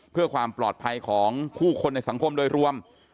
เพื่อความปลอดภัยของผู้คนในสังคมโดยรวม